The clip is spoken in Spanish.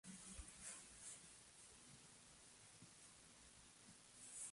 Pero el personaje ya ha caído en el olvido.